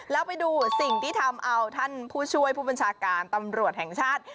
แล้วไปดูสิ่งที่ทำเอาท่านผู้ช่วยผู้บัญชาการตำรวจแห่งชาติ